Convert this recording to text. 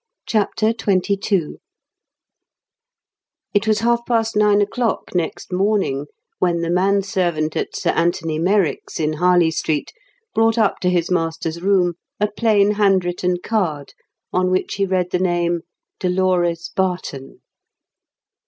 CHAPTER XXII It was half past nine o'clock next morning when the manservant at Sir Anthony Merrick's in Harley Street brought up to his master's room a plain hand written card on which he read the name, "Dolores Barton."